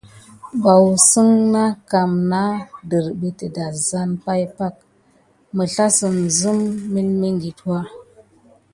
Vaoussən na kam nane dərɓé adassane pay pakə, məslassəm zəmə milmiŋɠitwa.